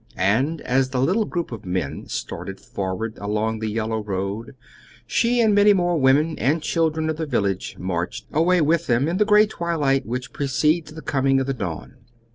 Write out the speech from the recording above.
And as the little group of men started forward along the yellow road, she and many more women and children of the village marched, away with them in the gray twilight which precedes the coming of the dawn.